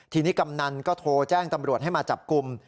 ทีนี้กำนันก็โทรแจ้งตำรวจให้มาจับกลุ่ม